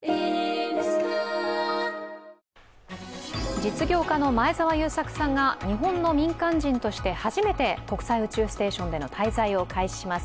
実業家の前澤友作さんが日本の民間人として初めて国際宇宙ステーションでの滞在を開始します。